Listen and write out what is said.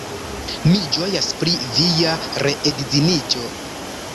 Mi ĝojas pri via reedziniĝo.